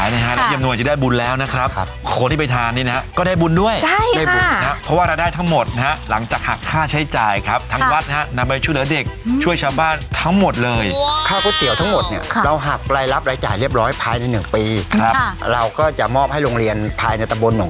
นี่แบบนี้เลยครับร้อน